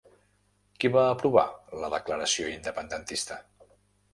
Qui va aprovar la declaració independentista?